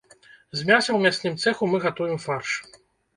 З мяса ў мясным цэху мы гатуем фарш.